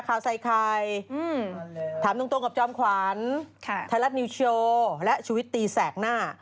ข่าวใส่ไข่ถามตรงกับจอมขวัญไทยรัฐนิวโชว์และชุวิตตีแสกหน้า